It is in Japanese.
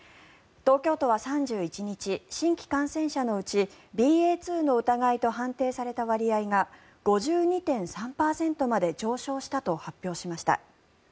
東京都は３１日新規感染者のうちＢＡ．２の疑いと判定された割合が５２．３％まで上昇したと発表しました。